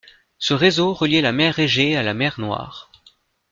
Ce réseau reliait la mer Égée à la mer Noire.